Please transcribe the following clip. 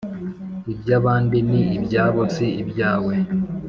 iby abandi ni ibyabo si ibyawe.